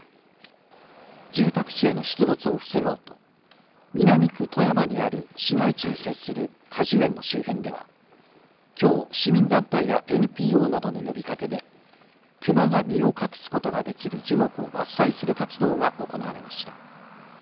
住宅地への出没を防ごうと南区砥山にある市街地に接する果樹園の周辺ではきょう市民団体やＮＰＯなどの呼びかけで熊が身を隠すことができる樹木を伐採する活動が行われました。